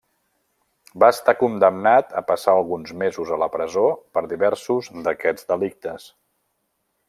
Va estar condemnat a passar alguns mesos a la presó per diversos d'aquests delictes.